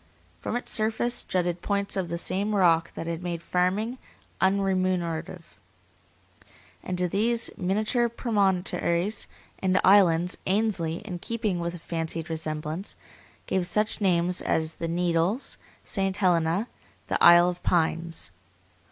From its surface jutted points of the same rock that had made farming unremunerative, and to these miniature promontories and islands Ainsley, in keeping with a fancied resemblance, gave such names as the Needles, St. Helena, the Isle of Pines.